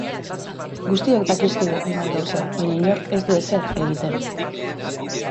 Guztiok dakizkigu hainbat gauza, baina inork ez du ezer egiten.